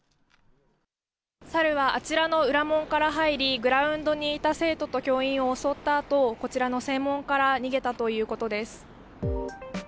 サルはあちらの裏門から入り、グラウンドにいた生徒と教員を襲ったあと、こちらの正門から逃げたということです。